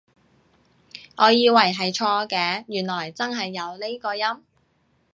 我以為係錯嘅，原來真係有呢個音？